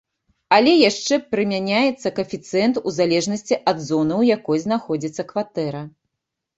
Але яшчэ прымяняецца каэфіцыент у залежнасці ад зоны, у якой знаходзіцца кватэра.